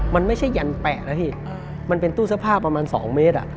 มันไม่ใช่ยันแปะนะพี่มันเป็นตู้เสื้อผ้าประมาณ๒เมตร